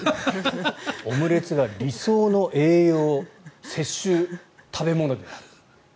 オムレツが理想の栄養摂取食べ物であると。